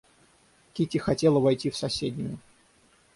Кити хотела войти в соседнюю.